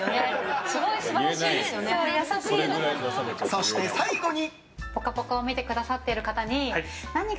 そして最後に。